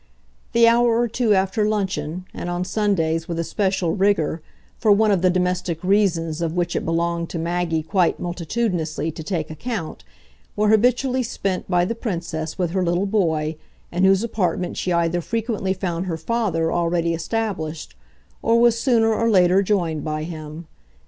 The hour or two after luncheon and on Sundays with especial rigour, for one of the domestic reasons of which it belonged to Maggie quite multitudinously to take account were habitually spent by the Princess with her little boy, in whose apartment she either frequently found her father already established or was sooner or later joined by him.